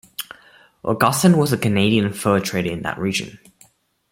Augustin was a Canadian fur trader in that region.